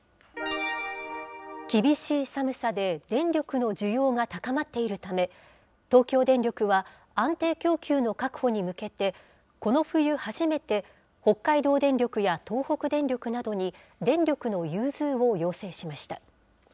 厳しい寒さで、電力の需要が高まっているため、東京電力は安定供給の確保に向けて、この冬初めて、北海道電力や東北電力などに電力の融通を要請しました。